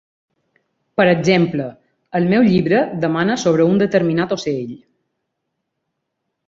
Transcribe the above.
Per exemple, el meu llibre demana sobre un determinat ocell.